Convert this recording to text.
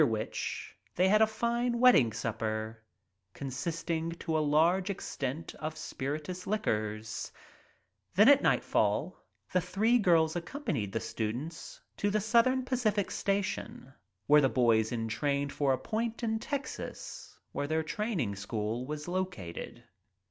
After which they had a fine wedding supper, con sisting to a large extent of spirituous liquors. Then at nightfall the three girls accompanied the students to the Southern Pacific station where the boys en trained for a point in Texas where their training school was located.